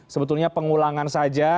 sebetulnya pengulangan saja